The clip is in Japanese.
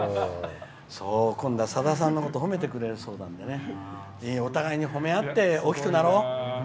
今度は、さださんのことを褒めてくれるそうなんでお互いに褒めあって大きくなろう。